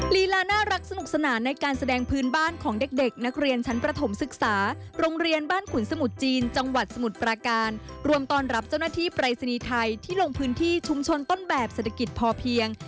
ที่ไฟรีซางีไทที่ลงพื้นที่ชุมชนต้นแบบเศรษฐกิจพอเพียง